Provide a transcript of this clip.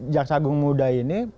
jaksa agung muda ini